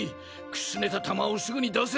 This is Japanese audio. くすねた弾をすぐに出せ。